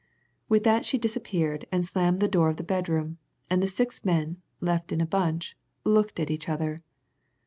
With that she disappeared and slammed the door of the bedroom, and the six men, left in a bunch, looked at each other.